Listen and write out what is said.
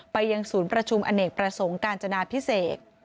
ไปยังศูนย์ประชุมอเนกประสงค์กาญจนาพิเศษ